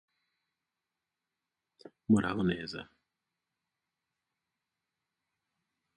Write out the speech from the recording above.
When exposed by erosion, such batholiths may occupy large areas.